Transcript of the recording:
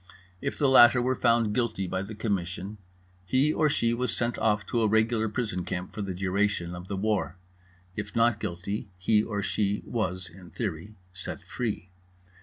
If the latter were found guilty by the Commission, he or she was sent off to a regular prison camp for the duration of the war; if not guilty, he or she was (in theory) set free.